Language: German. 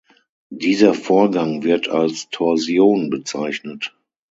Dieser Vorgang wird als Torsion bezeichnet.